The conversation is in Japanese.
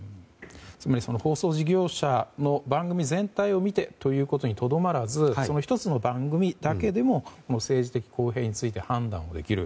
つまり放送事業者の番組全体を見てということにとどまらずその１つの番組だけでも政治的公平について判断をできる。